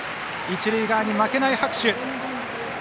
一塁側に負けない拍手。